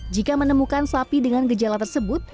jika menemukan sapi dengan gejala tersebut